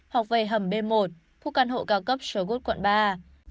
hoặc về hầm b một khu căn hộ cao cấp show good quận ba